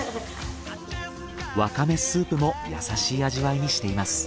ワカメスープも優しい味わいにしています。